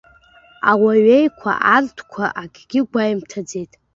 Ауаҩеиқәа арҭқәа акгьы гәеимҭаӡеит.